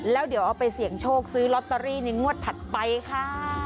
แล้วเดี๋ยวเอาไปเสี่ยงโชคซื้อลอตเตอรี่ในงวดถัดไปค่ะ